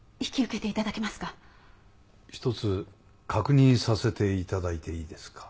一つ確認させて頂いていいですか？